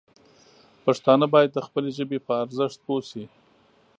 پښتانه باید د خپلې ژبې په ارزښت پوه شي.